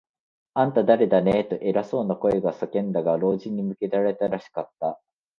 「あんた、だれだね？」と、偉そうな声が叫んだが、老人に向けられたらしかった。